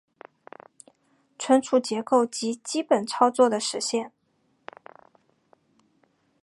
存储结构及基本操作的实现